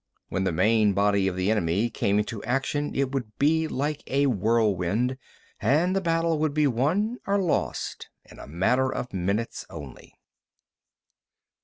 When the main body of the enemy came into action it would be like a whirlwind, and the battle would be won or lost in a matter of minutes only.